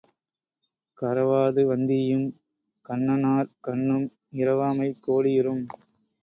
கரவா துவந்தீயும் கண்ணன்னார் கண்ணும் இரவாமை கோடி யுறும்.